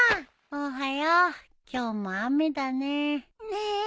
おはよう今日も雨だねえ。ね。